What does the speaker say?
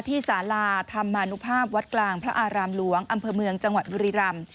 สาราธรรมนุภาพวัดกลางพระอารามหลวงอำเภอเมืองจังหวัดบุรีรำ